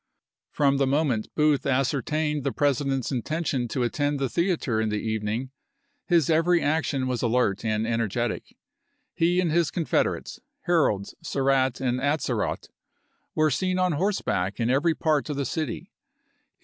From the moment Booth ascertained the Presi dent's intention to attend the theater in the evening his every action was alert and energetic. He and his confederates, Herold, Surratt, and Atzerodt, were THE FOUKTEENTH OF APKIL 293 seen on horseback in every part of the city. He CHAP.